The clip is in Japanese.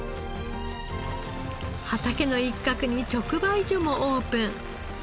畑の一角に直売所もオープン。